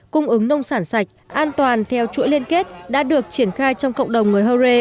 cung ứng nông sản sạch an toàn theo chuỗi liên kết đã được triển khai trong cộng đồng người hơ rê